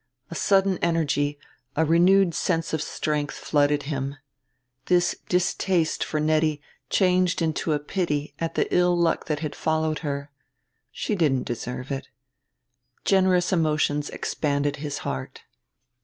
A sudden energy, a renewed sense of strength, flooded him. This distaste for Nettie changed into a pity at the ill luck that had followed her: she didn't deserve it. Generous emotions expanded his heart.